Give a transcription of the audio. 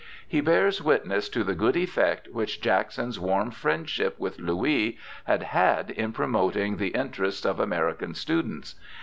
He bears witness to the good effect which Jackson's warm friendship with Louis had had in promoting the interests of American students.